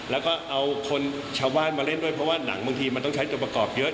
แล้วก็เอาคนชาวบ้านมาเล่นด้วยเพราะว่าหนังบางทีมันต้องใช้ตัวประกอบเยอะ